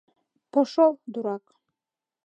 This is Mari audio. Пошёл, дурак!